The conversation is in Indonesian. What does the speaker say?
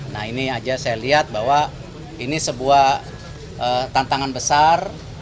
nah ini aja saya lihat bahwa ini sebuah tantangan besar